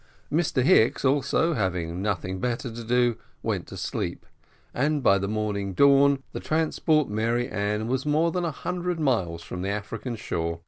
Mr Hicks, also, having nothing better to do, went to sleep, and by the morning dawn, the transport Mary Ann was more than a hundred miles from the African shore.